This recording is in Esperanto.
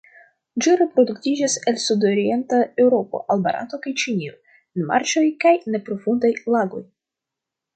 Ĝi reproduktiĝas el sudorienta Eŭropo al Barato kaj Ĉinio en marĉoj kaj neprofundaj lagoj.